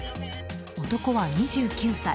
男は２９歳。